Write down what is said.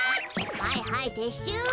はいはいてっしゅう。